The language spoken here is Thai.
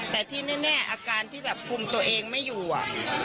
แต่ที่แน่อาการที่แบบคุมตัวเองไม่อยู่อ่ะ